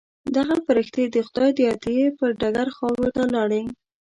دغه فرښتې د خدای د عطیې پر ډګر خاورو ته لاړې.